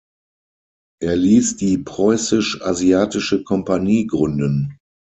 Er ließ die Preußisch-Asiatische Kompanie gründen.